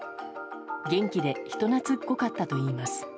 元気で人懐っこかったといいます。